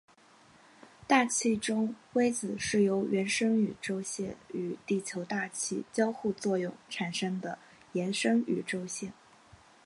大气中微子是由原生宇宙线与地球大气交互作用产生的衍生宇宙线。